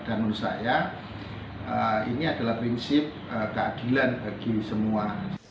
dan menurut saya ini adalah prinsip keadilan bagi semua